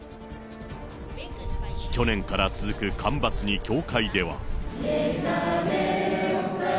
去年から続く干ばつに教会では。